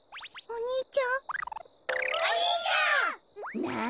お兄ちゃ。